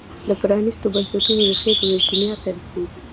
د پرانیستو بنسټونو ریښې په ویرجینیا ته رسېږي.